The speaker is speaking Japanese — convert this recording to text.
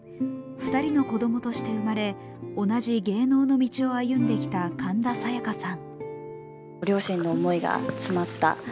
２人の子供として生まれ同じ芸能の道を歩んできた神田沙也加さん。